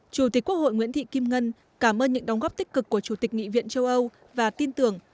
chủ tịch quốc hội nguyễn thị kim ngân cảm ơn những đóng góp tích cực của chủ tịch nghị viện châu âu và tin tưởng